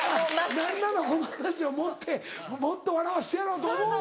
何ならこの話を盛ってもっと笑わしてやろうと思うのか。